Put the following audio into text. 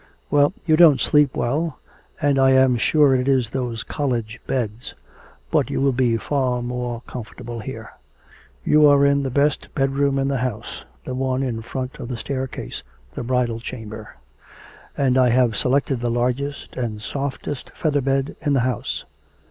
'Well, you don't sleep well, and I am sure it is those college beds. But you will be far more comfortable here. You are in the best bedroom in the house, the one in front of the staircase, the bridal chamber; and I have selected the largest and softest feather bed in the house.'